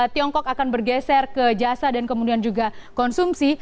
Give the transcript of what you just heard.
tiongkok akan bergeser ke jasa dan kemudian juga konsumsi